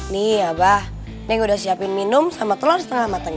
nih abah neng udah siapin minum sama telur setengah matang